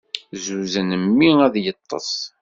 Zuzen mmi ad yeṭṭes.